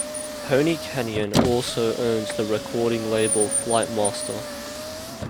Pony Canyon also owns the recording label Flight Master.